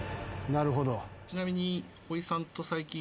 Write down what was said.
ちなみに。